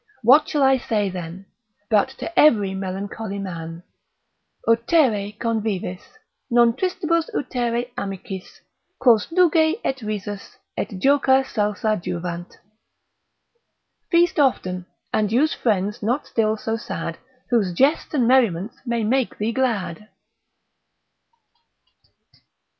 What shall I say, then, but to every melancholy man, Utere convivis, non tristibus utere amicis, Quos nugae et risus, et joca salsa juvant. Feast often, and use friends not still so sad, Whose jests and merriments may make thee glad.